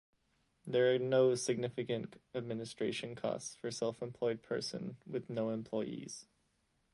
There are no significant administration costs for self-employed person with no employees.